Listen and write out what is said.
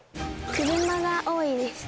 車が多いです。